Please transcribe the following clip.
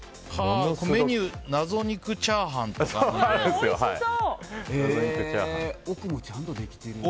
メニュー謎肉チャーハンとかあるね。